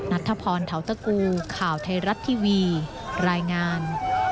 นัทธพรเทาตะกูข่าวไทยรัฐทีวีรายงาน